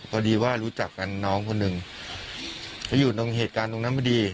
พอดีว่ารู้จักกันน้องคนหนึ่งเขาอยู่ตรงเหตุการณ์ตรงนั้นพอดี